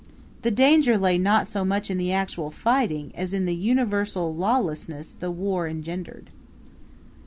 The danger lay not so much in the actual fighting as in the universal lawlessness the war engendered.